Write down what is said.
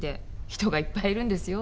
人がいっぱいいるんですよ。